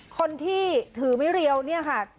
คนที่ถือไม่เรียวเนี่ยค่ะ